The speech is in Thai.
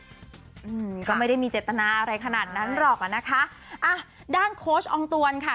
อืมก็ไม่ได้มีเจตนาอะไรขนาดนั้นหรอกอ่ะนะคะอ่ะด้านโค้ชอองตวนค่ะ